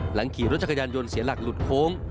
หลังขี่รถจักรยานยนต์เสียหลักหลุดโค้ง